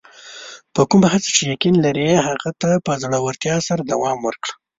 په کومه هڅه چې یقین لرې، هغه ته په زړۀ ورتیا سره دوام ورکړه.